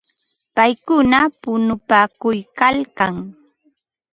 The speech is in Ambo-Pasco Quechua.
Paykuna punupaakuykalkan.